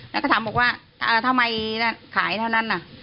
แล้วก็ถามบอกว่าทำไมขายเท่านั้น